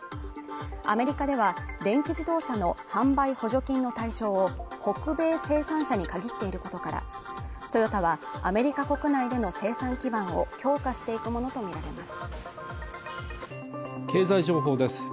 アメリカでは電気自動車の販売補助金の対象を、北米生産車に限っていることから、トヨタは、アメリカ国内での生産基盤を強化していくものとみられます。